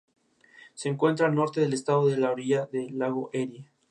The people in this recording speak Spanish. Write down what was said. Se encuentra al norte del estado, a la orilla del lago Erie.